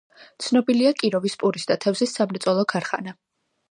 ცნობილია კიროვის პურის და თევზის სამრეწველო ქარხანა.